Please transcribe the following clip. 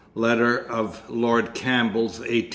Letter of Lord Campbell's, 1835.